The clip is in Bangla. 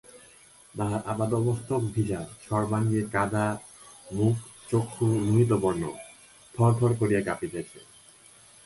তাহার আপাদমস্তক ভিজা, সর্বাঙ্গে কাদা, মুখ চক্ষু লোহিতবর্ণ, থরথর করিয়া কাঁপিতেছে।